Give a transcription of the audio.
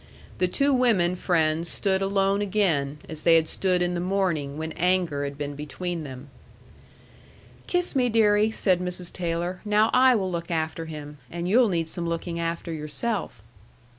The two women friends stood alone again, as they had stood in the morning when anger had been between them. "Kiss me, deary," said Mrs. Taylor. "Now I will look after him and you'll need some looking after yourself."